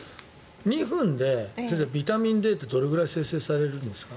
２分でビタミンＤってどれくらい生成されるんですか？